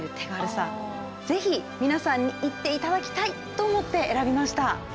是非皆さんに行って頂きたいと思って選びました。